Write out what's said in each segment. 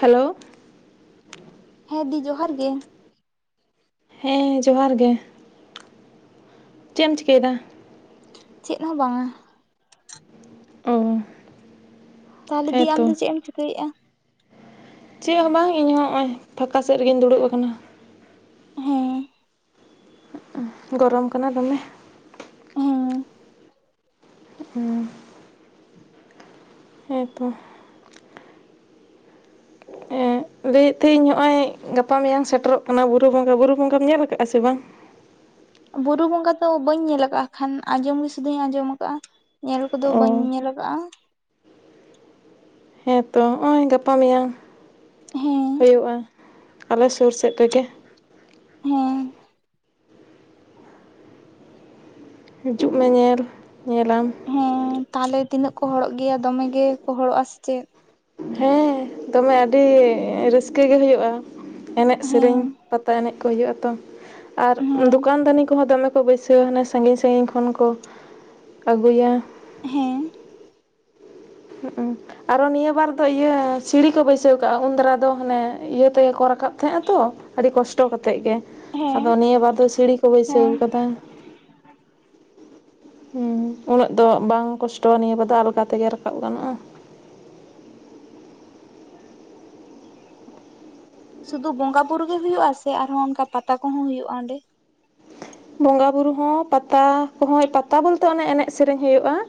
Hello. ᱦᱮᱸ ᱫᱤ ᱡᱚᱦᱟᱨ ᱜᱮ ᱾ ᱦᱮᱸ ᱡᱚᱦᱟᱨ ᱜᱮ ᱾ ᱪᱮᱫ ᱮᱢ ᱪᱤᱠᱟᱹᱭᱟᱹᱫᱟ? ᱪᱮᱫ ᱦᱚᱸ ᱵᱟᱝᱟ ᱾ ᱚ ᱾ ᱛᱟᱦᱚᱞᱮ ᱫᱤ ᱟᱢᱫᱚ ᱪᱮᱫ ᱮᱢ ᱪᱤᱠᱟᱹᱭᱮᱜᱼᱟ? ᱪᱮᱫ ᱦᱚᱸ ᱵᱟᱝ ᱤᱧ ᱦᱚᱸ ᱦᱚᱜ-ᱚᱭ ᱯᱷᱟᱸᱠᱟ ᱥᱮᱫ ᱨᱮᱜᱤᱧ ᱫᱩᱲᱩᱵ ᱟᱠᱟᱱᱟ ᱾ ᱦᱮᱸ ᱾ ᱜᱚᱨᱚᱢ ᱠᱟᱱᱟ ᱫᱚᱢᱮ ᱾ ᱦᱮᱸ ᱦᱩᱸ ᱾ ᱦᱮᱸ ᱛᱚ ᱾ ᱦᱸ ᱞᱟᱹᱭᱮᱫ ᱛᱟᱦᱮᱤᱧ ᱱᱚᱜᱼᱚᱭ ᱜᱟᱯᱟ ᱢᱮᱭᱟᱝ ᱥᱮᱴᱮᱨᱚᱜ ᱠᱟᱱᱟ ᱵᱩᱨᱩ ᱵᱚᱸᱜᱟ, ᱵᱩᱨᱩ ᱵᱚᱸᱜᱟᱢ ᱧᱮᱞ ᱟᱠᱟᱫᱼᱟ ᱥᱮ ᱵᱟᱝ? ᱵᱩᱨᱩ ᱵᱚᱸᱜᱟ ᱛᱚ ᱵᱟᱹᱧ ᱧᱮᱞ ᱟᱠᱟᱜᱼᱟ ᱠᱷᱟᱱ ᱟᱸᱡᱚᱢᱜ ᱥᱩᱫᱷᱩᱧ ᱟᱸᱡᱚᱢ ᱠᱟᱜᱼᱟ ᱾ ᱧᱮᱞ ᱠᱚᱫᱚ ᱚ ᱵᱟᱹᱧ ᱧᱮᱞ ᱠᱟᱜᱼᱟ ᱾ ᱦᱮᱸ ᱛᱚ ᱱᱚᱜᱼᱚᱭ ᱜᱟᱯᱟ ᱢᱮᱭᱟᱝ ᱦᱮᱸ ᱦᱳᱭᱳᱜᱼᱟ ᱾ ᱟᱞᱮ ᱥᱳᱨ ᱥᱮᱫ ᱨᱮᱜᱮ ᱾ ᱦᱮᱸ ᱾ ᱦᱤᱡᱩᱜ ᱢᱮ ᱧᱮᱞ, ᱧᱮᱞᱟᱢ ᱾ ᱦᱮᱸ ᱛᱟᱦᱚᱞᱮ ᱛᱤᱱᱟᱹᱜ ᱠᱚ ᱦᱚᱲᱚᱜ ᱜᱮᱭᱟ ᱫᱚᱢᱮ ᱜᱮᱠᱚ ᱦᱚᱲᱚᱜᱼᱟ ᱥᱮ ᱪᱮᱫ? ᱦᱮᱸ ᱫᱚᱢᱮ ᱟᱹᱰᱤ ᱨᱟᱹᱥᱠᱟᱹ ᱜᱮ ᱦᱳᱭᱳᱜᱼᱟ ᱮᱱᱮᱡ ᱦᱮᱸ ᱥᱮᱨᱮᱧ, ᱯᱟᱛᱟ ᱮᱱᱮᱡ ᱦᱳᱭᱳᱜ ᱟ ᱛᱚ ᱟᱨ ᱦᱮᱸ ᱫᱚᱠᱟᱱ ᱫᱟᱱᱤ ᱠᱚᱦᱚᱸ ᱫᱚᱢᱮ ᱠᱚ ᱠᱚ ᱵᱟᱹᱭᱥᱟᱹᱣᱼᱟ ᱦᱟᱱᱮ ᱥᱟᱹᱜᱤᱧ ᱥᱟᱹᱜᱤᱧ ᱠᱷᱚᱱ ᱠᱚ ᱟᱹᱜᱩᱭᱟ ᱾ ᱦᱮᱸ ᱾ ᱦᱩᱸᱜ ᱩᱸ ᱾ ᱟᱨᱚ ᱱᱤᱭᱟᱹ ᱵᱟᱨ ᱫᱚ ᱤᱭᱟᱹ ᱥᱤᱲᱤ ᱠᱚ ᱵᱟᱹᱭᱥᱟᱹᱣ ᱠᱟᱜᱼᱟ ᱩᱱ ᱫᱨᱟ ᱫᱚ ᱦᱟᱱᱮ ᱤᱭᱟᱹ ᱛᱮᱜᱮ ᱠᱚ ᱨᱟᱠᱟᱵ ᱛᱟᱦᱮᱸᱜ ᱟ ᱛᱚ ᱟᱹᱰᱤ ᱠᱚᱥᱴᱚ ᱠᱟᱛᱮᱫ ᱜᱮ ᱾ ᱦᱮᱸ ᱟᱫᱚ ᱱᱤᱭᱟᱹ ᱵᱟᱨ ᱫᱚ ᱥᱤᱲᱤ ᱠᱚ ᱵᱟᱹᱭᱥᱟᱹᱣ ᱦᱮᱸ ᱠᱟᱫᱟ ᱾ ᱦᱩᱸ, ᱩᱱᱟᱹᱜ ᱫᱚ ᱵᱟᱝ ᱠᱚᱥᱴᱚᱣᱟ ᱱᱤᱭᱟᱹ ᱵᱟᱨ ᱫᱚ ᱟᱞᱜᱟ ᱛᱮᱜᱮ ᱨᱟᱠᱟᱵ ᱨᱟᱠᱟᱵ ᱜᱟᱱᱚᱜᱼᱟ ᱾ ᱥᱩᱫᱷᱩ ᱵᱚᱸᱜᱟ ᱵᱩᱨᱩ ᱜᱮ ᱦᱳᱭᱳᱜ ᱥᱮ ᱟᱨᱦᱚᱸ ᱚᱱᱠᱟ ᱯᱟᱛᱟ ᱠᱚ ᱦᱚᱸ ᱦᱳᱭᱳᱜᱼᱟ ᱚᱸᱰᱮ? ᱵᱚᱸᱜᱟᱼᱵᱩᱨᱩ ᱦᱚᱸ ᱯᱟᱛᱟ ᱠᱚᱦᱚᱸ, ᱯᱟᱛᱟ ᱵᱚᱞᱛᱮ ᱚᱱᱮ ᱮᱱᱮᱡ ᱥᱮᱨᱮᱧ ᱦᱳᱭᱳᱜᱼᱟ ᱾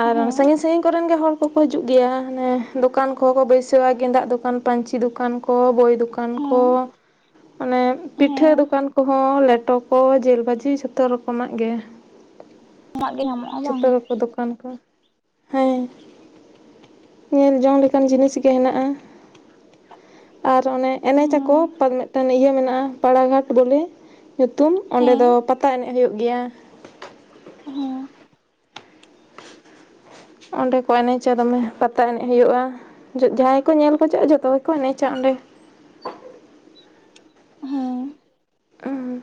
ᱟᱨ ᱦᱮᱸ ᱥᱟᱹᱜᱤᱧ ᱥᱟᱹᱜᱤᱧ ᱠᱚᱨᱮᱱ ᱜᱮ ᱦᱚᱲ ᱠᱚᱠᱚ ᱦᱤᱡᱩᱜ ᱜᱮᱭᱟ ᱦᱟᱱᱮ ᱫᱚᱠᱟᱱ ᱠᱚᱦᱚᱸ ᱠᱚ ᱵᱟᱹᱭᱥᱟᱣᱟ ᱜᱮᱸᱫᱟᱜ ᱫᱚᱠᱟᱱ ᱯᱟᱹᱧᱪᱤ ᱫᱚᱠᱟᱱ ᱠᱚ ᱵᱳᱭ ᱫᱚᱠᱟᱱ ᱠᱟᱱ ᱠᱚ ᱦᱮᱸ ᱚᱱᱮ ᱯᱤᱴᱷᱟᱹ ᱦᱮᱸ ᱫᱚᱠᱟᱱ ᱠᱚᱦᱚᱸ ᱞᱮᱴᱚ ᱠᱚ᱾ ᱵᱷᱟᱡᱤ ᱡᱷᱚᱛᱚ ᱨᱚᱠᱚᱢᱟᱜ ᱜᱮ ᱟᱢᱟᱜ ᱜᱮ ᱧᱟᱢᱚᱜᱼᱟ ᱵᱟᱝ ᱡᱷᱚᱛᱚ ᱠᱚ ᱫᱚᱠᱟᱱ ᱠᱚ ᱦᱮᱸ᱾ ᱧᱮᱞ ᱡᱚᱝ ᱞᱮᱠᱟᱱ ᱡᱤᱱᱤᱥ ᱜᱮ ᱦᱮᱱᱟᱜᱼᱟ᱾ ᱟᱨ ᱚᱱᱮ ᱮᱱᱮᱡ ᱟᱠᱚ ᱦᱮᱸ ᱯᱮᱱᱮ ᱯᱮᱱᱮ ᱤᱭᱟᱹ ᱢᱮᱱᱟᱜᱼᱟ ᱯᱟᱲᱟᱜᱷᱟᱴ ᱵᱚᱞᱮ ᱧᱩᱛᱩ ᱚᱸᱰᱮ ᱦᱮᱸ ᱫᱚ ᱯᱟᱛᱟ ᱮᱱᱮᱡ ᱦᱩᱭᱩᱜ ᱜᱮᱭᱟ᱾ ᱦᱮᱸ ᱚᱸᱰᱮ ᱠᱚ ᱮᱱᱮᱡᱟ ᱫᱚᱢᱮ ᱯᱟᱛᱟ ᱮᱱᱮᱡ ᱦᱳᱭᱳᱜᱼᱟ᱾ ᱡᱟᱦᱟᱸᱭ ᱠᱚ ᱧᱮᱞ ᱠᱚ ᱪᱚᱜᱼᱟ ᱡᱷᱚᱛᱚ ᱜᱮᱠᱚ ᱮᱱᱮᱡᱟ ᱚᱸᱰᱮ᱾ ᱦᱮᱸ ᱩᱸ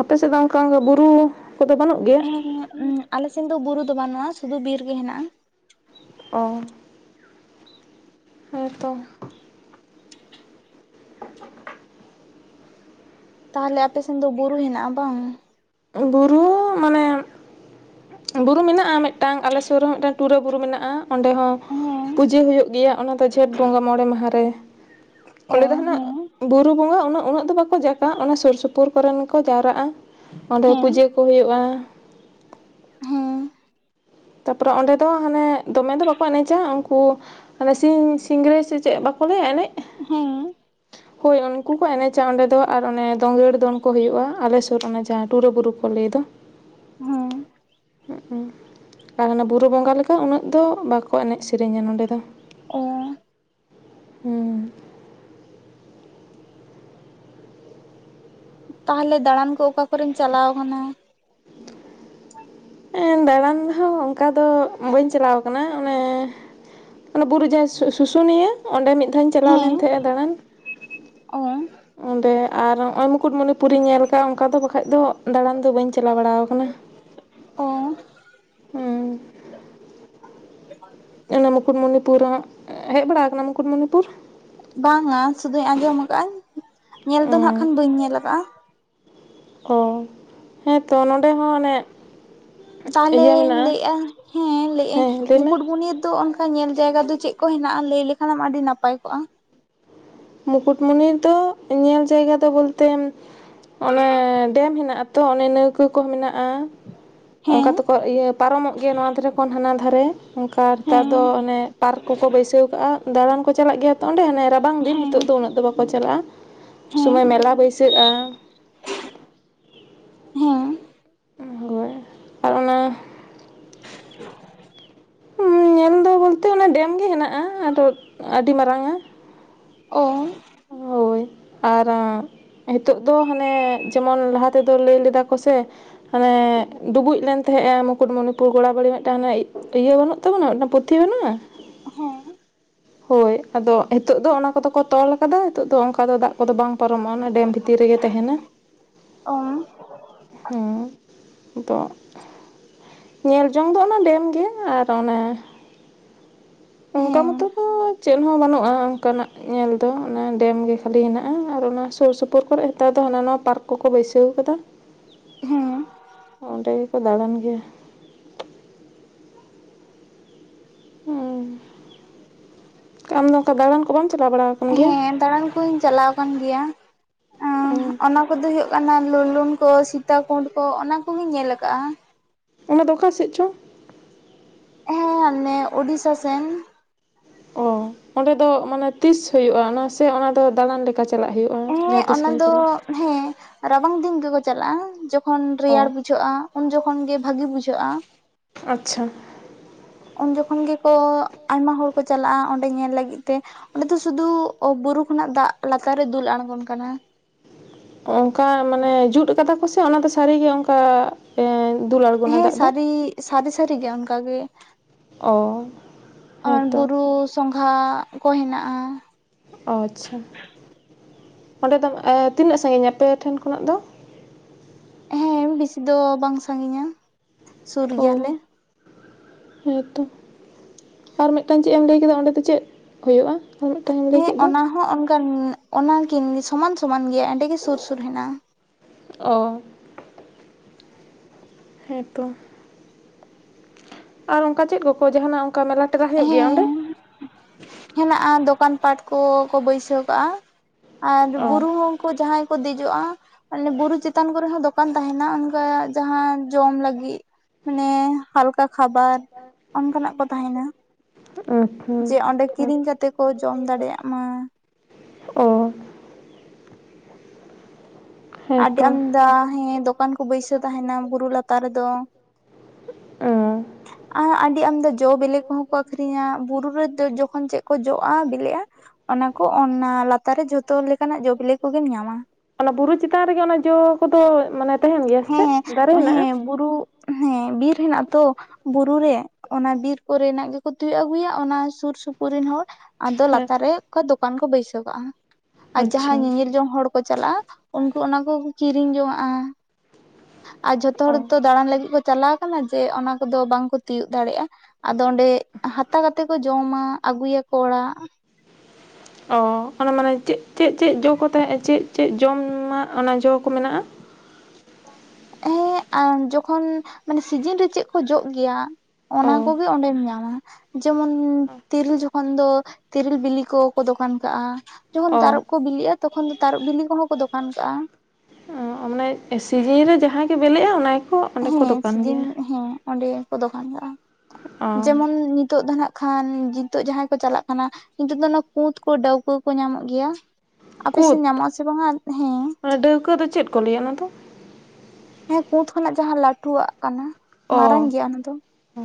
ᱟᱯᱮ ᱥᱮᱫ ᱫᱚ ᱚᱝᱠᱟ ᱚᱱᱠᱟ ᱵᱩᱨᱩ ᱠᱚᱫᱚ ᱵᱟᱹᱱᱩᱜ ᱜᱮᱭᱟ? ᱮᱸ ᱚᱸ ᱟᱞᱮ ᱥᱮᱱ ᱫᱚ ᱵᱩᱨᱩ ᱫᱚ ᱵᱟᱹᱱᱩᱜᱼᱟ ᱥᱩᱫᱩ ᱵᱤᱨ ᱜᱮ ᱦᱮᱱᱟᱜᱼᱟ᱾ ᱚ ᱦᱮᱸ ᱛᱚ ᱛᱟᱦᱞᱮ ᱟᱯᱮ ᱥᱮᱱ ᱫᱚ ᱵᱩᱨᱩ ᱦᱮᱱᱟᱜᱼᱟ ᱵᱟᱝ? ᱵᱩᱨᱩ ᱢᱟᱱᱮ ᱵᱩᱨᱩ ᱢᱮᱱᱟᱜᱼᱟ ᱢᱮᱫᱴᱟᱝ ᱟᱞᱮ ᱥᱳᱨ ᱨᱮᱦᱚᱸ ᱢᱮᱫᱴᱟᱝ ᱴᱩᱨᱟᱹ ᱵᱩᱨᱩ ᱢᱮᱱᱟᱜᱼᱟ ᱚᱸᱰᱮ ᱦᱚᱸ ᱦᱮᱸ ᱯᱩᱡᱟᱹ ᱦᱩᱭᱩᱜ ᱜᱮᱭᱟ᱾ ᱚᱱᱟ ᱫᱚ ᱡᱷᱮᱸᱴ ᱵᱚᱸᱜᱟ ᱢᱚᱬᱮ ᱢᱟᱦᱟ ᱨᱮ᱾ ᱚ ᱚᱸᱰᱮ ᱫᱚ ᱦᱟᱱᱟᱜ ᱦᱮᱸ ᱵᱩᱨᱩ ᱵᱚᱸᱜᱟ ᱩᱱᱟᱹ ᱩᱱᱟᱹᱜ ᱫᱚ ᱵᱟᱠᱚ ᱡᱟᱠᱟ ᱚᱱᱟ ᱥᱩᱨ ᱥᱩᱯᱩᱨ ᱠᱚᱨᱮᱱ ᱠᱚ ᱡᱟᱣᱨᱟᱜᱼᱟ᱾ ᱚᱸᱰᱮ ᱯᱩᱡᱟᱹ ᱠᱚ ᱦᱩᱭᱩᱜᱼᱟ᱾ ᱦᱩᱸ ᱛᱟᱯᱚᱨᱮ ᱚᱸᱰᱮ ᱫᱚ ᱦᱟᱱᱮ ᱫᱚᱢᱮ ᱫᱚ ᱵᱟᱠᱚ ᱮᱱᱮᱡᱟ ᱩᱱᱠᱩ ᱦᱟᱱᱮ ᱥᱤᱧ ᱥᱤᱝᱨᱟᱹᱭ ᱥᱮ ᱪᱮᱜ ᱵᱟᱠᱚ ᱞᱮ ᱮᱱᱮᱡ? ᱦᱮᱸ [inaudible] ᱦᱳᱭ ᱩᱱᱠᱩ ᱠᱚ ᱮᱱᱮᱪᱟ ᱚᱸᱰᱮ ᱫᱚ ᱟᱨ ᱚᱱᱮ ᱫᱳᱝᱜᱟᱹᱲ ᱫᱚᱱ ᱠᱚ ᱦᱩᱭᱩᱜᱼᱟ ᱟᱞᱮᱥᱩᱨ ᱚᱱᱮ ᱡᱟᱦᱟᱸ ᱴᱩᱨᱟᱹ ᱵᱩᱨᱩ ᱠᱚ ᱞᱟᱹᱭ ᱫᱚ᱾ ᱦᱮᱸ ᱟ ᱦᱟᱱᱟ ᱵᱩᱨᱩ ᱵᱚᱸᱜᱟ ᱞᱮᱠᱟ ᱩᱱᱟᱹᱜ ᱫᱚ ᱵᱟᱠᱚ ᱮᱱᱮᱡ ᱥᱮᱨᱮᱧᱟ ᱱᱚᱸᱰᱮ ᱫᱚ᱾ ᱚ ᱦᱩᱸ ᱛᱟᱦᱞᱮ ᱫᱟᱟᱲᱟᱱ ᱠᱚ ᱚᱠᱟ ᱠᱚᱨᱮᱢ ᱪᱟᱞᱟᱣ ᱠᱟᱱᱟ? ᱮᱸ ᱫᱟᱬᱟᱱ ᱦᱚᱸ ᱚᱝᱠᱟ ᱫᱚ ᱵᱟᱹᱧ ᱪᱟᱞᱟᱣ ᱠᱟᱱᱟ ᱚᱱᱮ ᱚᱱᱟ ᱵᱩᱨᱩ ᱡᱟᱦᱟᱸ ᱥᱩ-ᱥᱩᱥᱩᱱᱤᱭᱟᱹ ᱚᱸᱰᱮ ᱢᱤᱫ ᱫᱷᱟᱣ ᱤᱧ ᱪᱟᱞᱟᱣ ᱦᱮᱸ ᱞᱮᱱ ᱛᱟᱦᱮᱸᱜᱼᱟ ᱫᱟᱬᱟᱱ᱾ ᱚ ᱮᱸ ᱟᱨ ᱦᱚᱸᱜᱼᱚᱭ ᱢᱩᱠᱩᱰᱢᱩᱱᱤ ᱯᱩᱨᱤᱧ ᱧᱮᱞ ᱟᱠᱟᱜᱼᱟ ᱚᱝᱠᱟ ᱫᱚ ᱵᱟᱠᱷᱟᱡ ᱫᱚ ᱫᱟᱬᱟᱱ ᱫᱚ ᱵᱟᱹᱧ ᱪᱟᱞᱟᱣ ᱵᱟᱲᱟ ᱟᱠᱟᱱᱟ᱾ ᱚ ᱦᱩᱸ ᱟᱞᱮ ᱢᱩᱠᱩᱴᱢᱩᱱᱤᱯᱩᱨᱮ ᱦᱟᱸᱜ ᱦᱮᱜ ᱵᱟᱲᱟᱣ ᱠᱟᱱᱟᱢ ᱢᱩᱠᱩᱴᱢᱩᱱᱤᱯᱩᱨ? ᱵᱟᱝᱟ ᱥᱩᱫᱩ ᱟᱸᱡᱚᱢ ᱟᱠᱟᱜᱼᱟ ᱧᱮᱞ ᱫᱚ ᱱᱟᱦᱟᱜ ᱠᱷᱟᱱ ᱵᱟᱹᱧ ᱧᱮᱞ ᱟᱠᱟᱜᱼᱟ᱾ ᱦᱚ ᱦᱮᱸᱛᱚ ᱱᱚᱸᱰᱮ ᱦᱚᱸ ᱚᱱᱮᱜ ᱛᱟᱦᱞᱮᱧ ᱞᱟᱹᱭᱮᱜᱼᱟ ᱦᱮᱸ ᱞᱟᱹᱭᱮᱜ ᱟᱹᱧ ᱦᱮᱸ ᱞᱟᱹᱭ ᱢᱮ ᱢᱩᱠᱩᱴᱢᱩᱱᱤᱭᱟᱹ ᱨᱮ ᱫᱚ ᱠᱚ ᱧᱮᱞ ᱡᱟᱭᱜᱟ ᱫᱚ ᱪᱮᱜ ᱠᱚ ᱦᱮᱱᱟᱜᱼᱟ ᱞᱟᱹᱭ ᱞᱮᱠᱷᱟᱱᱮᱢ ᱟᱹᱰᱤ ᱱᱟᱯᱟᱭ ᱠᱚᱜᱼᱟ? ᱢᱩᱠᱩᱴᱢᱚᱱᱤ ᱫᱚ ᱧᱮᱞ ᱡᱟᱭᱜᱟ ᱫᱚ ᱵᱚᱞᱛᱮ ᱚᱱᱮ ᱰᱮᱢ ᱦᱮᱱᱟᱜ ᱟᱛᱚ ᱚᱱᱮ ᱱᱟᱹᱣᱠᱟᱹ ᱠᱚ ᱢᱮᱱᱟᱜᱼᱟ ᱚᱱᱠᱟ ᱦᱮᱸ ᱛᱮ ᱠᱚ ᱤᱭᱟᱹ ᱯᱟᱨᱚᱢᱚᱜ ᱜᱮᱭᱟ ᱱᱚᱣᱟ ᱫᱷᱟᱨᱮ ᱠᱷᱚᱱ ᱦᱟᱱᱟ ᱫᱷᱟᱨᱮ ᱚᱱᱠᱟ ᱱᱮᱛᱟᱨ ᱦᱮᱸ ᱫᱚ ᱚᱱᱮ ᱯᱟᱨᱠ ᱠᱚᱠᱚ ᱵᱟᱹᱭᱥᱟᱹᱣ ᱟᱠᱟᱜᱼᱟ ᱫᱟᱬᱟᱱ ᱠᱚ ᱪᱟᱞᱟᱜ ᱜᱮᱭᱟ ᱛᱚ ᱚᱸᱰᱮ ᱦᱟᱱᱮ ᱨᱟᱵ ᱵᱟᱝ ᱫᱤᱱ ᱦᱮᱸ ᱱᱤᱛᱚᱜ ᱫᱚ ᱩᱱᱟᱹᱜ ᱫᱚ ᱵᱟᱠᱚ ᱪᱟᱞᱟᱜᱼᱟ ᱦᱮᱸ ᱥᱚᱢᱚᱭ ᱢᱮᱞᱟ ᱵᱟᱹᱭᱥᱟᱹᱜᱼᱟ᱾ ᱦᱮᱸ [unintelligible] ᱟᱨ ᱚᱱᱮ ᱩᱢ ᱧᱮᱞ ᱫᱚ ᱵᱚᱞᱛᱮ ᱚᱱᱮ ᱰᱮᱢ ᱜᱮ ᱦᱮᱱᱟᱜᱼᱟ ᱟᱫᱚ ᱟᱹᱰᱤ ᱢᱟᱨᱟᱝ ᱚ ᱦᱳᱭ ᱟᱨᱟᱸᱜ ᱱᱤᱛᱚᱜ ᱫᱚ ᱦᱟᱱᱮ ᱡᱮᱢᱚᱱ ᱞᱟᱦᱟ ᱛᱮᱫᱚ ᱞᱟᱹᱭ ᱞᱮᱫᱟ ᱠᱚᱥᱮ ᱦᱟᱱᱮ ᱰᱩᱵᱩᱡ ᱞᱮᱱ ᱛᱟᱦᱮᱸᱜᱼᱟ ᱢᱩᱠᱩᱴᱢᱩᱱᱤᱯᱩᱨ ᱜᱚᱲᱟᱵᱟᱹᱲᱤ ᱢᱤᱫᱴᱟᱝ. [unintelligible] ᱤᱭᱟᱹ ᱵᱟᱹᱱᱩᱜ ᱛᱟᱵᱚᱱᱟ ᱢᱤᱫᱴᱟᱝ ᱯᱩᱛᱷᱤ ᱵᱟᱹᱱᱩᱜᱼᱟ ᱦᱮᱸ ᱦᱳᱭ ᱟᱫᱚ ᱱᱤᱛᱚᱜ ᱫᱚ ᱚᱱᱟ ᱠᱚᱫᱚ ᱠᱚ ᱛᱚᱞ ᱟᱠᱟᱫᱟ ᱱᱤᱛᱚᱜ ᱫᱚ ᱚᱱᱠᱟ ᱫᱚ ᱫᱟᱜ ᱠᱚᱫᱚ ᱵᱟᱝ ᱯᱟᱨᱚᱢᱚᱜᱼᱟ ᱚᱱᱟ ᱰᱮᱢ ᱵᱷᱤᱛ ᱛᱤ ᱨᱮᱜᱮ ᱛᱟᱦᱮᱸᱱᱟ ᱚ ᱦᱮᱸ ᱧᱮᱞ ᱡᱚᱝ ᱫᱚ ᱚᱱᱟ ᱰᱮᱢ ᱜᱮ ᱟᱨ ᱚᱱᱟ ᱚᱱᱠᱟ ᱦᱮᱸ ᱢᱚᱛᱚ ᱫᱚ ᱪᱮᱫ ᱦᱚᱸ ᱵᱟᱹᱱᱩᱜᱼᱟ ᱚᱱᱠᱟᱱᱟᱜ ᱧᱮᱞ ᱫᱚ ᱚᱱᱟ ᱰᱮᱢ ᱜᱮ ᱠᱷᱟᱹᱞᱤ ᱦᱮᱸᱱᱟᱜᱼᱟ ᱟᱨ ᱚᱱᱟ ᱥᱩᱨ ᱥᱩᱯ ᱯᱩᱨ ᱠᱚᱨᱮ ᱦᱮᱛᱟᱨ ᱫᱚ ᱦᱟᱱᱟᱼᱱᱟ ᱯᱟᱨᱠ ᱠᱚᱠᱚ ᱵᱟᱹᱭᱥᱟᱹᱣ ᱟᱠᱟᱫᱟ᱾ ᱦᱮᱸ ᱚᱸᱰᱮ ᱜᱮᱠᱚ ᱫᱟᱬᱟᱱ ᱜᱮᱭᱟ᱾ ᱩᱸ ᱟᱢ ᱫᱚ ᱚᱱᱠᱟ ᱫᱟᱬᱟᱱ ᱠᱚ ᱵᱟᱢ ᱪᱟᱞᱟᱣ ᱵᱟᱲᱟ ᱟᱠᱟᱱ ᱜᱮᱭᱟ? ᱵᱟᱹᱧ ᱪᱟᱞᱟᱣ ᱟᱠᱟᱱ ᱜᱮᱭᱟ [unintelligible] ᱚᱱᱟ ᱠᱚᱫᱚ ᱦᱩᱭᱩᱜ ᱠᱟᱱᱟ ᱞᱩᱞᱩᱱ ᱠᱚ ᱥᱤᱛᱟ ᱠᱩᱸᱰ ᱠᱚ ᱚᱱᱟ ᱠᱚᱜᱮᱧ ᱧᱮᱞ ᱟᱠᱟᱜᱼᱟ᱾ ᱚᱱᱟ ᱫᱚ ᱚᱠᱟ ᱥᱮᱜ ᱪᱚ? ᱦᱮᱸ ᱚᱱᱮ ᱩᱰᱤᱥᱟ ᱥᱮᱱ ᱳ ᱚᱸᱰᱮ ᱫᱚ ᱢᱟᱱᱮ ᱛᱤᱥ ᱦᱩᱭᱩᱜᱼᱟ ᱚᱱᱟ ᱥᱮ ᱚᱱᱟ ᱫᱚ ᱫᱟᱬᱟᱱ ᱞᱮᱠᱟ ᱪᱟᱞᱟᱜ ᱦᱩᱭᱩᱜᱼᱟ? ᱦᱮᱸ ᱡᱟᱦᱟᱸ ᱛᱤᱥ ᱚᱱᱟ ᱜᱮᱢ ᱫᱚ ᱪᱟᱞᱟᱜ ᱦᱮᱸ ᱨᱟᱵᱟᱝ ᱫᱤᱱ ᱜᱮᱠᱚ ᱪᱟᱞᱟᱜᱼᱟ ᱡᱚᱠᱷᱚᱱ ᱨᱮᱭᱟᱲ ᱚ ᱵᱩᱡᱷᱟᱹᱜᱼᱟ᱾ ᱩᱱ ᱡᱚᱠᱷᱚᱱ ᱜᱮ ᱵᱷᱟᱹᱜᱤ ᱵᱩᱡᱷᱟᱹᱜᱼᱟ᱾ ᱟᱪᱪᱷᱟ ᱩᱱ ᱡᱚᱠᱷᱚᱱ ᱜᱮᱠᱚ ᱟᱭᱢᱟ ᱦᱚᱲ ᱠᱚ ᱪᱟᱞᱟᱜᱼᱟ ᱚᱸᱰᱮ ᱧᱮᱞ ᱞᱟᱹᱜᱤᱫ ᱛᱮ᱾ ᱚᱸᱰᱮ ᱫᱚ ᱥᱩᱫᱩ ᱵᱩᱨᱩ ᱠᱷᱚᱱᱟᱜ ᱫᱟᱜ ᱞᱟᱛᱟᱨ ᱨᱮ ᱫᱩᱞ ᱟᱬᱜᱚᱱ ᱠᱟᱱᱟ᱾ ᱚᱱᱠᱟ ᱢᱟᱱᱮ ᱡᱩᱛ ᱠᱟᱫᱟ ᱠᱚ ᱥᱮ ᱚᱱᱟ ᱫᱚ ᱥᱟᱹᱨᱤᱜᱮ ᱚᱱᱠᱟ ᱫᱩᱞᱟᱹᱲ ᱦᱮᱸ ᱥᱟᱹᱨᱤ ᱥᱟᱹᱨᱤ ᱥᱟᱹᱨᱤ ᱜᱮ ᱚᱱᱠᱟᱜᱮ ᱚ ᱟᱨ ᱦᱮᱸᱛᱚ ᱵᱩᱨᱩ ᱥᱚᱸᱜᱷᱟ ᱠᱚ ᱦᱮᱱᱟᱜᱼᱟ᱾ ᱟᱪᱪᱷᱟ ᱚᱸᱰᱮ ᱫᱚ ᱛᱤᱱᱟᱹᱜ ᱥᱟᱺᱟᱜᱤᱧᱟ ᱟᱯᱮ ᱴᱷᱮᱱ ᱠᱷᱚᱱᱟᱜ ᱫᱚ? ᱦᱮᱸ ᱵᱮᱥᱤ ᱫᱚ ᱵᱟᱝ ᱥᱟᱺᱜᱤᱧᱟ᱾ ᱥᱩᱨ ᱜᱮᱭᱟᱞᱮ ᱚ ᱦᱮᱸᱛᱚ, ᱟᱨ ᱢᱤᱫᱴᱟᱝ ᱪᱮᱫ ᱮᱢ ᱞᱟᱹᱭ ᱠᱮᱫᱟ ᱚᱸᱰᱮ ᱫᱚ ᱪᱮᱫ ᱦᱩᱭᱩᱜᱼᱟ? ᱟᱨ ᱢᱤᱫᱴᱟᱝ ᱞᱟᱹᱭ ᱦᱮᱸ ᱠᱮᱫ ᱫᱚ᱾ ᱚᱱᱟ ᱦᱚᱸ ᱚᱱᱠᱟᱱ ᱚᱱᱟᱠᱤᱱ ᱥᱚᱢᱟᱱ ᱥᱚᱢᱟᱱ ᱜᱮᱭᱟ ᱚᱸᱰᱮᱜ ᱜᱮ ᱥᱩᱨ ᱥᱩᱨ ᱦᱮᱱᱟᱜᱼᱟ᱾ ᱚ ᱦᱮᱸ ᱛᱚ ᱟᱨ ᱚᱱᱠᱟ ᱪᱮᱫ ᱠᱚᱠᱚ ᱡᱟᱦᱟᱱᱟᱜ ᱚᱱᱠᱟ ᱢᱮᱞᱟ ᱴᱮᱞᱟ ᱦᱩᱭᱩᱜᱭ ᱜᱮᱭᱟ ᱚᱸᱰᱮ? ᱦᱮᱸ ᱦᱮᱱᱟᱜᱼᱟ ᱫᱚᱠᱟᱱ ᱯᱟᱴ ᱠᱚᱠᱚ ᱵᱟᱹᱭᱥᱟᱹᱣ ᱠᱟᱜᱼᱟ᱾ ᱟᱨ ᱚ ᱵᱩᱨᱩ ᱦᱚᱸ ᱩᱱᱠᱩ ᱡᱟᱦᱟᱸᱭ ᱠᱚ ᱫᱮᱡᱚᱜᱼᱟ ᱞᱮ ᱵᱩᱨᱩ ᱪᱮᱛᱟᱱ ᱠᱚᱨᱮ ᱦᱚᱸ ᱫᱚᱠᱟᱱ ᱛᱟᱦᱮᱱᱟ ᱚᱱᱠᱟ ᱡᱟᱦᱟᱸ ᱡᱚᱢ ᱞᱟᱹᱜᱤᱫ᱾ ᱢᱟᱱᱮ ᱦᱟᱞᱠᱟ ᱠᱷᱟᱵᱟᱨ ᱚᱱᱠᱟᱱᱟᱜ ᱠᱚ ᱛᱟᱦᱮᱱᱟ᱾ ᱟᱪᱪᱷᱟ ᱡᱮ ᱚᱸᱰᱮ ᱠᱤᱨᱤᱧ ᱠᱟᱛᱮ ᱠᱚ ᱡᱚᱢ ᱫᱟᱲᱮᱭᱟᱜ ᱢᱟ᱾ ᱚ ᱟᱹᱰᱤ ᱦᱮᱸᱛᱚ ᱟᱢᱫᱟ ᱦᱮᱸ ᱫᱚᱠᱟᱱ ᱠᱚ ᱵᱟᱹᱭᱥᱟᱹᱣ ᱛᱟᱦᱮᱱᱟ ᱵᱩᱨᱩ ᱞᱟᱛᱟᱨ ᱨᱮᱫᱚ᱾ ᱚ ᱟ ᱟᱹᱰᱤ ᱟᱢᱫᱟ ᱡᱚ ᱵᱤᱞᱤ ᱠᱚᱦᱚᱸ ᱠᱚ ᱟᱠᱷᱨᱤᱧᱟ ᱵᱩᱨᱩ ᱨᱮ ᱡᱚᱠᱷᱚᱱ ᱪᱮᱫ ᱠᱚ ᱡᱚᱜᱼᱟ ᱵᱤᱞᱤᱜᱼᱟ᱾ ᱚᱱᱟ ᱠᱚ ᱚᱱᱟ ᱞᱟᱛᱟᱨ ᱨᱮ ᱡᱷᱚᱛᱚ ᱞᱮᱠᱟᱱᱟᱜ ᱡᱚᱵᱤᱞᱮ ᱠᱚᱜᱮᱢ ᱧᱟᱢᱟ᱾ ᱚᱱᱟ ᱵᱩᱨᱩ ᱪᱮᱛᱟᱱ ᱨᱮᱜᱮ ᱚᱱᱟ ᱡᱚ ᱠᱚᱫᱚ ᱢᱟᱱᱮ ᱛᱟᱦᱮᱱ ᱜᱮᱭᱟ ᱥᱮ ᱪᱮᱫ ᱦᱮᱸ ᱫᱟᱨᱮ ᱦᱮᱱᱟᱜᱼᱟ? ᱦᱮᱸ ᱵᱩᱨᱩ ᱦᱮᱸ ᱵᱤᱨ ᱦᱮᱱᱟᱜ ᱛᱚ ᱵᱩᱨᱩ ᱨᱮ ᱚᱱᱟ ᱵᱤᱨ ᱠᱚᱨᱮᱱᱟᱜ ᱜᱮᱠᱚ ᱛᱤᱭᱜ ᱟᱹᱜᱩᱭᱟ ᱚᱱᱟ ᱥᱩᱨ ᱥᱩᱯᱩᱨ ᱨᱮᱱ ᱦᱚᱲ ᱟᱫᱚ ᱦᱮᱸ ᱞᱟᱛᱟᱨ ᱨᱮ ᱚᱱᱠᱟ ᱫᱚᱠᱟᱱ ᱠᱚ ᱵᱟᱹᱭᱥᱟᱹᱣ ᱠᱟᱜᱼᱟ ᱾ᱟᱨ ᱡᱟᱦᱟᱸ ᱟᱪᱪᱷᱟ ᱧᱮᱧᱮᱞ ᱡᱚᱝ ᱦᱚᱲ, ᱠᱚ ᱪᱟᱞᱟᱜᱼᱟ, ᱩᱱᱠᱩ ᱚᱱᱟ ᱠᱚ ᱠᱤᱨᱤᱧ ᱡᱚᱝᱟᱜᱼᱟ᱾ ᱟᱨ ᱡᱷᱚᱛᱚ ᱚ ᱦᱚᱲᱚ ᱫᱚ ᱫᱟᱬᱟᱱ ᱞᱟᱹᱜᱤᱫ ᱠᱚ ᱪᱟᱞᱟᱣ ᱟᱠᱟᱱᱟ ᱡᱮ ᱚᱱᱟ ᱠᱚᱫᱚ ᱵᱟᱝ ᱠᱚ ᱛᱤᱭᱳᱜ ᱫᱟᱲᱮᱜᱼᱟ᱾ ᱟᱫᱚ ᱚᱸᱰᱮ ᱦᱟᱛᱟ ᱠᱟᱛᱮ ᱠᱚ ᱡᱚᱢᱟ ᱟᱹᱜᱩᱭᱟᱠᱚ ᱚᱲᱟᱜ᱾ ᱚ ᱚᱱᱟ ᱢᱟᱱᱮ ᱪᱮᱜ ᱪᱮᱜ ᱪᱮᱜ ᱡᱚ ᱠᱚ ᱛᱟᱦᱮᱸᱜ ᱪᱮᱜ ᱪᱮᱜ ᱡᱚᱢᱟᱜ ᱚᱱᱟ ᱡᱚ ᱠᱚ ᱢᱮᱱᱟᱜᱼᱟ? ᱦᱮᱸ ᱡᱚᱠᱷᱚᱱ ᱢᱟᱱᱮ ᱥᱤᱡᱤᱱ ᱨᱮ ᱪᱮᱜ ᱠᱚ ᱡᱚᱜ ᱜᱮᱭᱟ? ᱚᱱᱟ ᱚ ᱠᱚᱜᱮ ᱚᱸᱰᱮᱢ ᱧᱟᱢᱟ᱾ ᱡᱮᱢᱚᱱ ᱛᱤᱨᱤᱞ ᱡᱚᱠᱷᱚᱱ ᱫᱚ ᱛᱤᱨᱤᱞ ᱵᱤᱞᱤ ᱠᱚᱠᱚ ᱫᱚᱠᱟᱱ ᱠᱟᱜᱼᱟ᱾ ᱡᱚᱠᱷᱚᱱ ᱚ ᱛᱟᱨᱩᱵ ᱠᱚ ᱵᱤᱞᱤᱜᱼᱟ, ᱛᱚᱠᱷᱚᱱ ᱫᱚ ᱛᱟᱨᱚᱵ ᱵᱤᱞᱤ ᱠᱚᱦᱚᱸ ᱠᱚ ᱫᱚᱠᱟᱱ ᱠᱟᱜᱼᱟ᱾ ᱮ ᱥᱤᱡᱤ ᱨᱮ ᱡᱟᱦᱟᱸᱭ ᱜᱮ ᱵᱤᱞᱤᱜᱼᱟ ᱚᱱᱟ ᱜᱮᱠᱚ ᱚᱸᱰᱮ ᱠᱚ ᱦᱮᱸ ᱫᱚᱠᱟᱱ ᱥᱤᱡᱤᱱ ᱜᱮᱭᱟ᱾ ᱦᱮᱸ ᱚᱸᱰᱮ ᱠᱚ ᱫᱚᱠᱟᱱ ᱠᱟᱜ-ᱟ ᱚ ᱡᱮᱢᱚᱱ ᱱᱤᱛᱚᱜ ᱫᱚ ᱦᱟᱸᱜ ᱠᱷᱟᱱ ᱱᱤᱛᱚᱜ ᱡᱟᱦᱟᱸᱭ ᱠᱚ ᱪᱟᱞᱟᱜ ᱠᱟᱱᱟ ᱱᱤᱛᱚᱜ ᱫᱚ ᱚᱱᱟ ᱠᱩᱸᱛ ᱠᱚ ᱰᱟᱹᱣᱠᱟᱹ ᱠᱚ ᱧᱟᱢᱚᱜ ᱜᱮᱭᱟ᱾ ᱟᱯᱮᱥᱮᱫ ᱠᱩᱫ ᱧᱟᱢᱚᱜ ᱟ ᱥᱮ ᱵᱟᱝᱟ ᱦᱮᱸ? ᱚᱱᱟ ᱰᱟᱹᱣᱠᱟᱹ ᱫᱚ ᱪᱮᱫ ᱠᱚ ᱞᱟᱹᱭᱟ ᱚᱱᱟ ᱫᱚ? ᱦᱮᱸ ᱠᱩᱸᱛ ᱠᱷᱚᱱᱟᱜ ᱡᱟᱦᱟᱸ ᱞᱟᱹᱴᱩᱣᱟᱜ ᱠᱟᱱᱟ ᱢᱟᱨᱟᱝ ᱜᱮᱭᱟ ᱚᱱᱟ ᱫᱚ᱾ ᱚ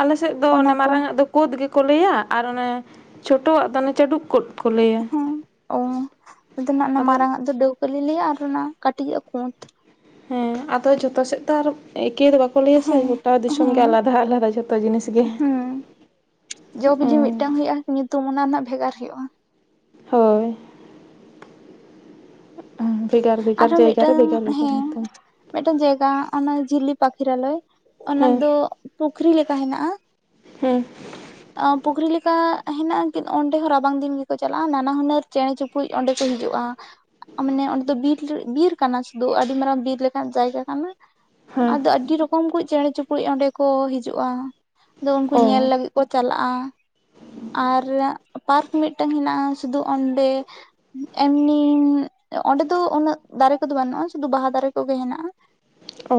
ᱟᱞᱮ ᱥᱮᱫ ᱫᱚ ᱚᱱᱟ ᱚᱱᱮ ᱠᱚ ᱢᱟᱨᱟᱝ ᱟᱜ ᱫᱚ ᱠᱳᱫᱽ ᱜᱮᱠᱚ ᱞᱟᱹᱭᱟ ᱟᱨ ᱚᱱᱮ ᱪᱷᱳᱴᱚᱣᱟᱜ ᱫᱚ ᱚᱱᱮ ᱪᱟᱹᱰᱩᱠ ᱠᱳᱫᱽ ᱠᱚ ᱞᱟᱹᱭᱟ᱾ ᱚᱸ ᱚᱸ ᱟᱫᱚᱱᱟᱜ ᱚᱱᱟ ᱟᱫᱚ ᱢᱟᱨᱟᱝ ᱟᱜ ᱫᱚ ᱰᱟᱹᱣᱠᱟᱹ ᱞᱮ ᱞᱟᱹᱭᱟ ᱟᱨ ᱚᱱᱟ ᱠᱟᱹᱴᱤᱡᱟᱜ ᱠᱩᱸᱫᱽ᱾ ᱦᱮᱸ ᱟᱫᱚ ᱡᱷᱚᱛᱚ ᱥᱮᱫ ᱫᱚ ᱟᱨ ᱮᱠᱮᱭ ᱫᱚ ᱵᱟᱠᱚ ᱵᱟᱠᱚ ᱞᱟᱹᱭᱟ ᱥᱮ ᱦᱮᱸ ᱜᱚᱴᱟ ᱫᱤᱥᱚᱢ ᱜᱮ ᱦᱮᱸ ᱟᱞᱟᱫᱟ ᱟᱞᱟᱫᱟ ᱡᱚᱛᱚ ᱡᱤᱱᱤᱥ ᱜᱮ᱾ ᱦᱮᱸ ᱡᱚ ᱚ ᱵᱤᱞᱤ ᱢᱤᱫᱴᱟᱝ ᱦᱳᱭᱳᱜᱼᱟ, ᱧᱩᱛᱩᱢ ᱚᱱᱟ ᱨᱮᱱᱟᱜ ᱵᱷᱮᱜᱟᱨ ᱦᱩᱭᱩᱜᱼᱟ᱾ ᱦᱳᱭ ᱵᱷᱮᱜᱟᱨ ᱵᱷᱮᱜᱟᱨ ᱟᱨᱦᱚᱸ ᱡᱟᱭᱜᱟ ᱨᱮ ᱢᱤᱫᱴᱟᱝ ᱵᱷᱮᱜᱟᱨ ᱵᱷᱮᱜᱟᱨ ᱦᱮᱸ ᱧᱩᱛᱩᱢ ᱢᱤᱫᱴᱟᱝ ᱡᱟᱭᱜᱟ ᱚᱱᱟ ᱡᱷᱤᱞᱞᱤ ᱯᱟᱠᱷᱤᱨᱟᱞᱚᱭ ᱚᱱᱟ ᱦᱮᱸ ᱫᱚ ᱯᱩᱠᱷᱨᱤ ᱞᱮᱠᱟ ᱦᱮᱱᱟᱜᱼᱟ᱾ ᱦᱮᱸ ᱟ ᱯᱩᱠᱷᱨᱤ ᱞᱮᱠᱟ ᱦᱮᱱᱟᱜᱼᱟ ᱠᱤ ᱚᱸᱰᱮ ᱦᱚᱸ ᱨᱟᱵᱟᱝ ᱫᱤᱱ ᱜᱮᱠᱚ ᱪᱟᱞᱟᱜᱼᱟ᱾ ᱱᱟᱱᱟ ᱦᱩᱱᱟᱹᱨ ᱪᱮᱬᱮ ᱪᱩᱯ ᱯᱩᱡ ᱚᱸᱰᱮ ᱠᱚ ᱦᱤᱡᱩᱜᱼᱟ᱾ ᱟ ᱢᱟᱱᱮ ᱚᱸᱰᱮ ᱫᱚ ᱵᱤᱨ ᱵᱤᱨ ᱠᱟᱱᱟ ᱥᱩᱫᱩ ᱟᱹᱰᱤ ᱢᱟᱨᱟᱝ ᱵᱤᱨ ᱞᱮᱠᱟᱱ ᱡᱟᱭᱜᱟ ᱠᱟᱱᱟ᱾ ᱦᱮᱸ ᱟᱫᱚ ᱟᱹᱰᱤ ᱨᱚᱠᱚᱢ ᱠᱩᱡᱽ ᱪᱮᱬᱮ ᱪᱩᱯᱲᱩ ᱚᱸᱰᱮ ᱠᱚ ᱦᱤᱡᱩᱜᱼᱟ᱾ ᱟᱫᱚ ᱩᱱᱠᱩ ᱚ ᱧᱮᱞ ᱞᱮ ᱛᱤᱭᱩᱜ ᱠᱚ ᱪᱟᱞᱟᱜᱼᱟ ᱟᱨ ᱯᱟᱨᱠ ᱢᱤᱫᱴᱟᱹᱝ ᱦᱮᱱᱟᱜᱼᱟ ᱥᱩᱫᱩ ᱚᱸᱰᱮ ᱮᱢᱱᱤ ᱚᱸᱰᱮ ᱫᱚ ᱩᱱᱟᱹᱜ ᱫᱟᱨᱮ ᱠᱚ ᱫᱚ ᱵᱟᱹᱱᱩᱜᱼᱟ, ᱥᱩᱫᱷᱩ ᱵᱟᱦᱟ ᱫᱟᱨᱮ ᱠᱚ ᱜᱮ ᱦᱮᱱᱟᱜᱼᱟ᱾ ᱚ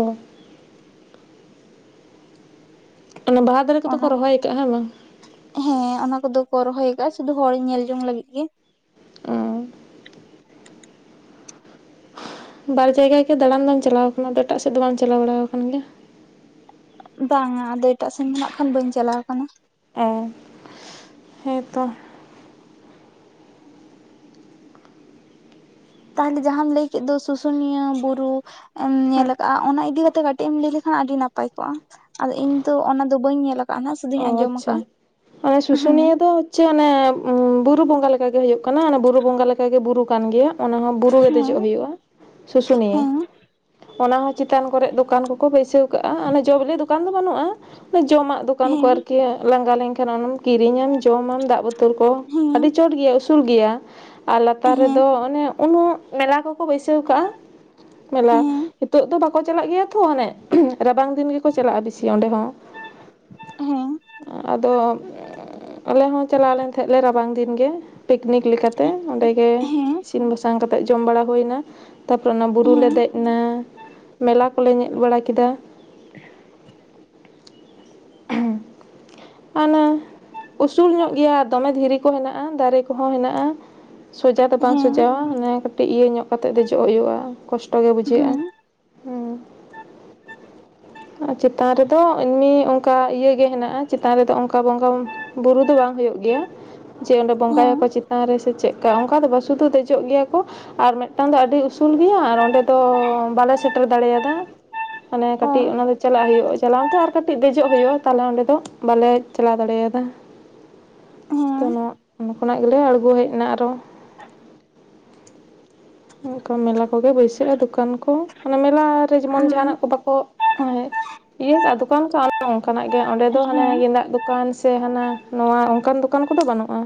ᱚᱱᱟ ᱵᱟᱦᱟ ᱫᱟᱨᱮ ᱠᱚ ᱫᱚ ᱠᱚ ᱚᱱᱟ ᱨᱚᱦᱚᱭ ᱠᱟᱜᱼᱟ ᱦᱮᱸ ᱵᱟᱝ? ᱦᱮᱸ ᱚᱱᱟ ᱠᱚᱫᱚ ᱠᱚ ᱨᱚᱦᱚᱭ ᱠᱟᱜᱼᱟ ᱥᱩᱫᱷᱩ ᱦᱚᱲ ᱧᱮᱞ ᱡᱚᱝ ᱞᱟᱹᱜᱤᱜ ᱜᱮ᱾ ᱚ ᱵᱟᱨ ᱡᱟᱭᱜᱟ ᱜᱮ ᱫᱟᱬᱟᱱ ᱫᱚᱢ ᱪᱟᱞᱟᱣ ᱟᱠᱟᱱᱟ᱾ ᱟᱫᱚ ᱮᱴᱟᱜ ᱥᱮᱫ ᱫᱚ ᱵᱟᱢ ᱪᱟᱞᱟᱣ ᱵᱟᱲᱟ ᱟᱠᱟᱱ ᱜᱮᱭᱟ? ᱵᱟᱝᱟ ᱟᱫᱚ ᱮᱴᱟᱜ ᱥᱮᱱ ᱫᱚ ᱱᱟᱜ ᱠᱷᱟᱱ ᱵᱟᱹᱧ ᱪᱟᱞᱟᱣ ᱟᱠᱟᱱᱟ᱾ ᱮ ᱦᱮᱸ ᱛᱚ ᱛᱟᱦᱚᱞᱮ ᱡᱟᱦᱟᱸᱢ ᱞᱟᱹᱭ ᱠᱮᱫ ᱫᱚ ᱥᱩᱥᱩᱱᱤᱭᱟᱹ ᱵᱩᱨᱩ ᱧᱮᱞ ᱟᱠᱟᱜᱼᱟ, ᱚᱱᱟ ᱤᱫᱤ ᱠᱟᱛᱮᱜ ᱠᱟᱹᱴᱤᱡ ᱮᱢ ᱞᱟᱹᱭ ᱞᱮᱠᱷᱟᱱ ᱟᱹᱰᱤ ᱱᱟᱯᱟᱭ ᱠᱚᱜᱼᱟ᱾ ᱟᱫᱚ ᱤᱧ ᱛᱚ ᱚᱱᱟ ᱫᱚ ᱵᱟᱹᱧ ᱧᱮᱞ ᱟᱠᱟᱱᱟ᱾ ᱚ ᱟᱪᱪᱷᱟ ᱚᱱᱟ ᱥᱩᱥᱩᱱᱤᱭᱟᱹ ᱫᱚ ᱪᱮ ᱚᱱᱮ ᱵᱩᱨᱩ ᱵᱚᱸᱜᱟ ᱞᱮᱠᱟ ᱜᱮ ᱦᱩᱭᱩᱜ ᱠᱟᱱᱟ᱾ ᱚᱱᱮ ᱵᱩᱨᱩ ᱵᱚᱸᱜᱟ ᱞᱮᱠᱟᱜᱮ ᱵᱩᱨᱩ ᱠᱟᱱ ᱜᱮᱭᱟ᱾ ᱚᱱᱟ ᱦᱚᱸ ᱵᱩᱨᱩ ᱜᱮ ᱦᱮᱸ ᱫᱮᱡᱚᱜ ᱦᱩᱭᱩᱜᱼᱟ ᱥᱩᱥᱩᱱᱤᱭᱟᱹ᱾ ᱦᱮᱸ ᱚᱱᱟ ᱦᱚᱸ ᱪᱮᱛᱟᱱ ᱠᱚᱨᱮᱜ ᱫᱚᱠᱟᱱ ᱠᱚᱠᱚ ᱵᱟᱹᱭᱥᱟᱹᱣ ᱠᱟᱜᱼᱟ᱾ ᱚᱱᱟ ᱡᱚᱵᱤᱞᱤ ᱫᱚᱠᱟᱱ ᱫᱚ ᱵᱟᱹᱱᱩᱜᱼᱟ᱾ ᱚᱱᱮ ᱡᱚᱢᱟᱜ ᱫᱚᱠᱟᱱ ᱠᱚ ᱦᱮᱸ ᱟᱨᱠᱤ ᱞᱟᱸᱜᱟ ᱞᱮᱱᱠᱷᱟᱱ ᱚᱱᱟᱢ ᱠᱤᱨᱤᱧᱟᱢ ᱡᱚᱢᱟᱢ ᱫᱟᱜ ᱵᱛᱚᱞ ᱠᱚ ᱦᱮᱸ ᱟᱹᱰᱤ ᱪᱚᱴ ᱜᱮᱭᱟ ᱩᱥᱩᱞ ᱜᱮᱭᱟ ᱟᱨ ᱞᱟᱛᱟᱨ ᱨᱮᱫᱚ ᱦᱮᱸ ᱚᱱᱮ ᱩᱱᱟᱹᱜ ᱢᱮᱞᱟ ᱠᱚᱠᱚ ᱵᱟᱹᱭᱥᱟᱹᱣ ᱠᱟᱜᱼᱟ ᱢᱮᱞᱟ ᱦᱮᱸ ᱦᱤᱛᱚᱜ ᱫᱚ ᱵᱟ ᱠᱚ ᱪᱟᱞᱟᱜ ᱜᱮᱭᱟ ᱛᱚ ᱚᱱᱮ ᱨᱟᱵᱟᱝ ᱫᱤᱱ ᱜᱮ ᱠᱚ ᱪᱟᱞᱟᱜᱼᱟ ᱵᱤᱥᱤ ᱚᱸᱰᱮ ᱦᱚᱸ᱾ ᱦᱮᱸ ᱟᱫᱚ ᱟᱞᱮ ᱦᱚᱸ ᱪᱟᱞᱟᱣ ᱞᱮᱱ ᱛᱟᱦᱮᱸᱫ ᱞᱮ ᱨᱟᱵᱟᱝ ᱫᱤᱱ ᱜᱮ᱾ ᱯᱤᱠᱱᱤᱠ ᱞᱮᱠᱟᱛᱮ ᱚᱸᱰᱮᱜ ᱜᱮ ᱦᱮᱸ ᱤᱥᱤᱱ ᱵᱟᱥᱟᱝ ᱠᱟᱛᱮᱫ ᱡᱚᱢ ᱵᱟᱲᱟ ᱦᱩᱭ ᱮᱱᱟ᱾ ᱛᱟᱯᱚᱨᱮ ᱚᱱᱟ ᱵᱩᱨᱩ ᱞᱮ ᱫᱮᱡ ᱮᱱᱟ ᱢᱮᱞᱟ ᱠᱚᱞᱮ ᱧᱮᱡ ᱵᱟᱲᱟ ᱠᱮᱫᱟ᱾ ᱦᱟᱱᱟ ᱩᱥᱩᱞ ᱧᱚᱜ ᱜᱮᱭᱟ ᱫᱚᱢᱮ ᱫᱷᱤᱨᱤ ᱠᱚ ᱦᱮᱱᱟᱜᱼᱟ, ᱫᱟᱨᱮ ᱠᱚ ᱦᱚᱸ ᱦᱮᱱᱟᱜᱼᱟ, ᱥᱚᱡᱟ ᱫᱚ ᱦᱮᱸ ᱵᱟᱝ ᱦᱮᱸ ᱥᱚᱡᱟᱣᱟ ᱢᱟᱱᱮ ᱠᱟᱹᱴᱤᱡ ᱤᱭᱟᱹ ᱧᱚᱜ ᱠᱟ ᱠᱟᱛᱮᱫ ᱫᱮᱡᱚᱜ ᱦᱩᱭᱩᱜᱼᱟ ᱠᱚᱥᱴᱚ ᱜᱮ ᱵᱩᱡᱷᱟᱹᱜᱼᱟ᱾ ᱦᱮᱸ ᱦᱩᱸ ᱟᱨ ᱪᱮᱛᱟᱱ ᱨᱮ ᱫᱚ ᱮᱢᱱᱤ ᱚᱱᱠᱟ ᱤᱭᱟᱹ ᱜᱮ ᱦᱮᱱᱟᱜ ᱟ᱾ ᱪᱮᱛᱟᱱ ᱨᱮ ᱫᱚ ᱚᱱᱠᱟ ᱵᱚᱸᱜᱟ ᱵᱩᱨᱩ ᱫᱚ ᱵᱟᱝ ᱦᱩᱭᱩᱜ ᱜᱮᱭᱟ᱾ ᱡᱮ ᱚᱸᱰᱮ ᱵᱚᱸᱜᱟᱭᱟ ᱠᱚ ᱪᱮᱛᱟᱱ ᱨᱮ ᱥᱮ ᱪᱮᱫ ᱠᱟ ᱚᱱᱠᱟ ᱫᱚ ᱵᱟᱝ ᱥᱩᱫᱩ ᱫᱮᱡᱚᱜ ᱜᱮᱭᱟ ᱠᱚ᱾ ᱟᱨ ᱢᱤᱫᱴᱟᱝ ᱫᱚ ᱟᱹᱰᱤ ᱩᱥᱩᱞ ᱜᱮᱭᱟ ᱟᱨ ᱚᱸᱰᱮ ᱫᱚ ᱵᱟᱞᱮ ᱥᱮᱴᱮᱨ ᱫᱟᱲᱮᱭᱟᱫᱟ᱾ ᱢᱟᱱᱮ ᱚ ᱠᱟᱹᱴᱤᱡ ᱚᱱᱟ ᱫᱚ ᱪᱟᱞᱟᱜ ᱦᱩᱭᱩᱜᱼᱟ, ᱪᱟᱞᱟᱣ ᱛᱮ ᱟᱨ ᱠᱟᱹᱴᱤᱡ ᱫᱮᱡᱚᱜ ᱦᱩᱭᱩᱜᱼᱟ ᱛᱟᱦᱚᱞᱮ ᱚᱱᱟ ᱫᱚ᱾ ᱵᱟᱞᱮ ᱪᱟᱞᱟᱣ ᱫᱟᱲᱮᱭᱟᱫᱟ ᱛᱚ᱾ ᱦᱮᱸ ᱠᱷᱚᱱᱟᱜ ᱜᱮᱞᱮ ᱟᱬᱜᱚ ᱦᱮᱡ ᱮᱱᱟ ᱟᱨᱦᱚᱸ ᱚᱱᱠᱟ ᱢᱮᱞᱟ ᱠᱚᱜᱮ ᱵᱟᱹᱭᱥᱟᱹᱜᱼᱟ ᱫᱚᱠᱟᱱ ᱠᱚ ᱢᱟᱱᱮ ᱢᱮᱞᱟᱨᱮ ᱡᱮᱢᱚᱱ ᱡᱟᱦᱟᱱᱟᱜ ᱩᱸ ᱠᱚ ᱵᱟᱠᱚ ᱦᱮᱸ ᱤᱭᱟᱹ ᱠᱟᱜ ᱫᱚᱠᱟᱱ ᱠᱟᱜ ᱚᱱ ᱚᱱᱠᱟᱱᱟᱜ ᱜᱮ ᱚᱸᱰᱮ ᱫᱚ ᱦᱟᱱᱮ ᱦᱮᱸ ᱜᱮᱸᱫᱟᱜ ᱫᱚᱠᱟᱱ ᱫᱚᱠᱟᱱ ᱥᱮ ᱦᱟᱱᱟ ᱱᱚᱣᱟ ᱚᱱᱠᱟᱱ ᱫᱚᱠᱟᱱ ᱠᱚ ᱫᱚ ᱵᱟᱹᱱᱩᱜᱼᱟ᱾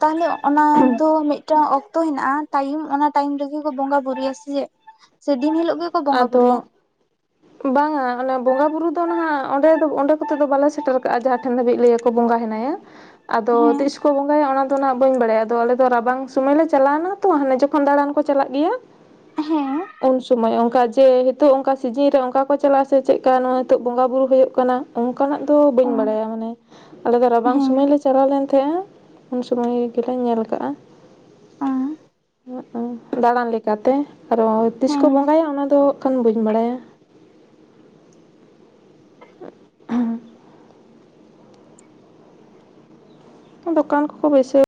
ᱛᱟᱦᱚᱞᱮ ᱚᱱᱟ ᱫᱚ ᱢᱤᱫᱴᱟᱝ ᱚᱠᱛᱚ ᱚᱠᱛᱚ ᱦᱮᱱᱟᱜᱼᱟ ᱴᱟᱭᱤᱢ ᱚᱱᱟ ᱴᱟᱭᱤᱢ ᱨᱮᱜᱮ ᱠᱚ ᱵᱚᱸᱜᱟ ᱵᱩᱨᱩᱭᱟ ᱥᱮ ᱪᱮᱫ ᱥᱮ ᱫᱤᱱ ᱦᱤᱞᱳᱜ ᱜᱮᱠᱚ ᱵᱚᱸᱜᱟ ᱵᱩᱨᱩᱭᱟ ᱵᱟᱝ ᱟ ᱚᱱᱮ ᱵᱚᱸᱜᱟᱼ ᱵᱩᱨᱩ ᱫᱚ ᱱᱟᱦᱟᱜ ᱚᱸᱰᱮ ᱫᱚ ᱚᱸᱰᱮ ᱠᱚᱛᱮ ᱫᱚ ᱵᱟᱞᱮ ᱥᱮᱴᱮᱨ ᱠᱟᱜᱼᱟ, ᱡᱟᱦᱟᱸ ᱴᱷᱮᱱ ᱫᱷᱟᱹᱵᱤᱡ ᱞᱟᱹᱭᱟ ᱠᱚ ᱵᱚᱸᱜᱟ ᱦᱮᱱᱟᱭᱟ᱾ ᱟᱫᱚ ᱦᱮᱸ ᱛᱤᱥ ᱠᱚ ᱵᱚᱸᱜᱟ ᱦᱩᱭᱩᱜᱼᱟ, ᱚᱱᱟ ᱫᱚ ᱱᱟᱜ ᱵᱟᱹᱧ ᱵᱟᱲᱟᱭᱟ ᱟᱫᱚ ᱟᱞᱮᱫ ᱫᱚ ᱨᱟᱵᱟᱝ ᱥᱩᱚᱢᱚᱭ ᱞᱮ ᱪᱟᱞᱟᱣᱮᱱᱟ ᱦᱟᱱᱮ ᱡᱚᱠᱷᱚᱱ ᱫᱟᱬᱟᱱ ᱠᱚ ᱪᱟᱞᱟᱜ ᱜᱮᱭᱟ ᱦᱮᱸ ᱩᱱ ᱥᱩᱚᱢᱚᱭ ᱚᱱᱠᱟ ᱡᱮ ᱚᱱᱠᱟ ᱥᱤᱡᱤᱱ ᱚᱱᱠᱟ ᱠᱚ ᱪᱟᱞᱟᱜᱼᱟ ᱥᱮ ᱪᱮᱫᱠᱟ ᱱᱚᱣᱟ ᱱᱤᱛᱚᱜ ᱵᱚᱸᱜᱟ ᱵᱩᱨᱩ ᱦᱩᱭᱩᱜ ᱠᱟᱱᱟ ᱚᱱᱠᱟᱱᱟᱜ ᱫᱚ ᱵᱟᱹᱧ ᱚ ᱵᱟᱲᱟᱭᱟ ᱢᱟᱱᱮ ᱟᱞᱮ ᱫᱚ ᱨᱟᱵᱟᱝ ᱦᱮᱸ ᱥᱩᱚᱢᱟᱹᱭ ᱞᱮ ᱪᱟᱞᱟᱣ ᱞᱮᱱ ᱛᱟᱦᱮᱸᱼᱟ ᱩᱱ ᱥᱩᱢᱟᱹᱭ ᱜᱮᱞᱮ ᱧᱮᱞ ᱟᱠᱟᱜᱼᱟ᱾ ᱚ ᱫᱟᱬᱟᱱ ᱞᱮᱠᱟ ᱛᱮ ᱟᱨᱦᱚᱸ ᱛᱤᱥ ᱠᱚ ᱦᱮᱸ ᱵᱚᱸᱜᱟᱭᱟ ᱚᱱᱟ ᱫᱚ ᱦᱜ ᱠᱷᱟᱱ ᱵᱟᱹᱧ ᱵᱟᱲᱟᱭᱟ᱾ ᱟ [inaudible] ᱫᱚᱠᱟᱱ ᱠᱚᱠᱚ ᱵᱟᱹᱭᱥᱟᱹ